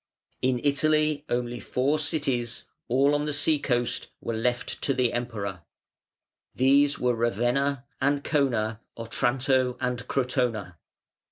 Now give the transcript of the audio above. In Italy only four cities all on the sea coast were left to the Emperor; these were Ravenna, Ancona, Otranto, and Crotona.